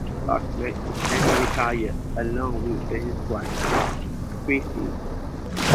Bachman is semi-retired along with his wife, Chrissy.